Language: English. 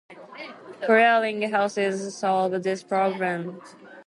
Clearing houses solve this problem.